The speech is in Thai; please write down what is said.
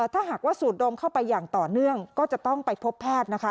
ถ้าหากว่าสูดดมเข้าไปอย่างต่อเนื่องก็จะต้องไปพบแพทย์นะคะ